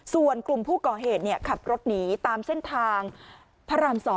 ส่วนกลุ่มผู้ก่อเหตุขับรถหนีตามเส้นทางพระราม๒